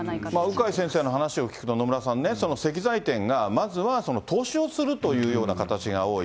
鵜飼先生の話を聞くと、野村さんね、石材店がまずは投資をするというような形が多い。